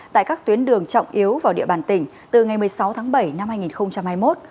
tại các tuyến đường trọng yếu vào địa bàn tỉnh từ ngày một mươi sáu tháng bảy năm hai nghìn hai mươi một